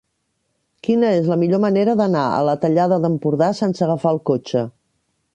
Quina és la millor manera d'anar a la Tallada d'Empordà sense agafar el cotxe?